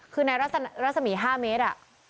คือในรัศนาวิสัย๕เมตร